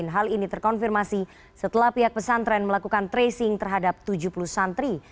hal ini terkonfirmasi setelah pihak pesantren melakukan tracing terhadap tujuh puluh santri